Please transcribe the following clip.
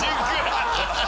ハハハ！